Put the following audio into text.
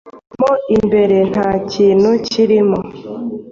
mo imbere nta kintu kirimo.